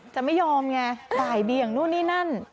จะไม่ยอมไงบ่ายเบียงนู่นนี่นั่น